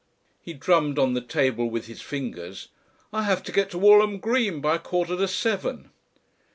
He drummed on the table with his fingers. "I have to get to Walham Green by a quarter to seven."